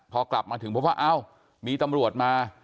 พอกลับมาถึงพบว่าเอ้ามีตำรวจมา